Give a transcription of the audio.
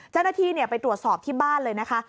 เจ้าหน้าที่ไปตรวจสอบที่บ้านเลยนะคะ